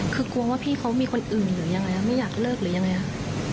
คือกลัวว่าพี่เขามีคนอื่นหรือยังไงไม่อยากเลิกหรือยังไงครับ